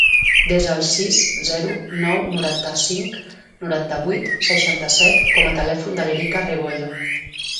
Desa el sis, zero, nou, noranta-cinc, noranta-vuit, seixanta-set com a telèfon de l'Erika Rebollo.